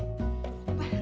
oh ya ampun